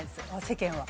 世間は。